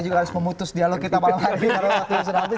terima kasih pak tito untuk mengatakan hal ini